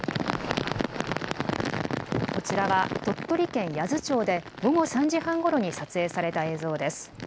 こちらは鳥取県八頭町で、午後３時半ごろに撮影された映像です。